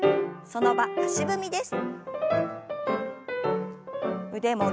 その場足踏みです。